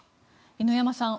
犬山さん